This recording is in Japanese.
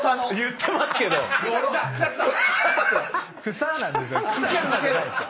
「草」なんですよ。